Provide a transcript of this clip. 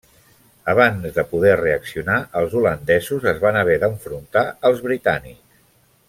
Abans de poder reaccionar, els holandesos es van haver d'enfrontar als britànics.